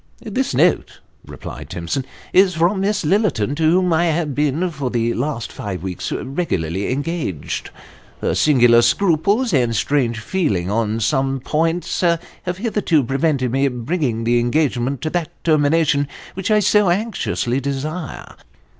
" This note," replied Timson, " is from Miss Lillerton, to whom I have been for the last five weeks regularly engaged. Her singular scruples and strange feeling on some points have hitherto prevented my bringing the engagement to that termination which I so anxiously desire.